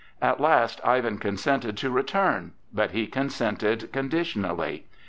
At last Ivan consented to return, but he consented conditionally.